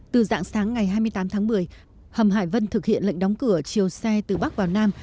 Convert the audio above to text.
từ dạng sáng ngày hai mươi tám tháng một mươi hầm hải vân thực hiện lệnh đóng cửa chiều xe từ bắc vào nam